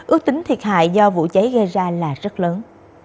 ước tính thiệt hại do vụ cháy gây ra là rất lớn